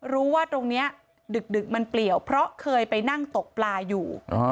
รู้ว่าตรงนี้ดึกมันเปลี่ยวเพราะเคยไปนั่งตกปลาอยู่